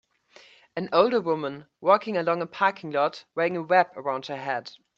An older woman walking along a parking lot wearing a wrap around her head.